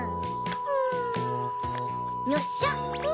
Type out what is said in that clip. うん。よっしゃ。